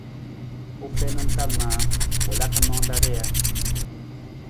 U fiin i tal na, u laka naan ra rija.